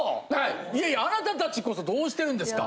いやいやあなたたちこそどうしてるんですか？